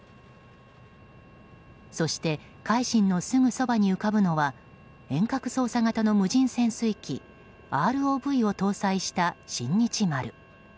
そして、「海進」のすぐそばに浮かぶのは遠隔操作型の無人潜水機ＲＯＶを搭載した「新日丸」。